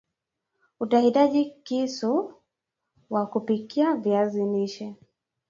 Utahitaji kisu wa kupikia viazi lishe